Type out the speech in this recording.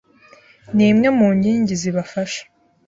ni imwe mu nkingi zibafasha